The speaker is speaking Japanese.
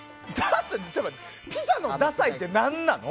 ピザのダサいって何なの？